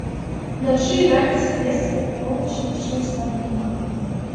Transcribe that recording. Уначы і раніцай месцамі па поўначы магчымы слабы туман.